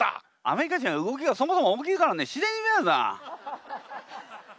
アメリカ人は動きがそもそも大きいから自然に見えますな。